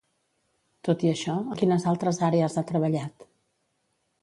Tot i això, en quines altres àrees ha treballat?